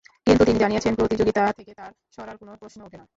কিন্তু তিনি জানিয়েছেন, প্রতিযোগিতা থেকে তাঁর সরার কোনো প্রশ্ন ওঠে না।